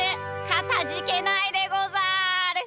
かたじけないでござる！